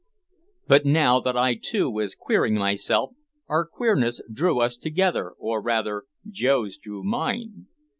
But now that I too was "queering" myself, our queerness drew us together, or rather, Joe's drew mine.